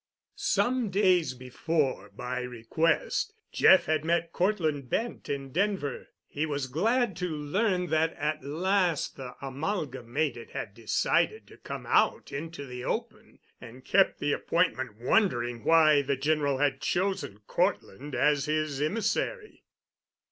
Some days before, by request, Jeff had met Cortland Bent in Denver. He was glad to learn that at last the Amalgamated had decided to come out into the open and kept the appointment, wondering why the General had chosen Cortland as his emissary.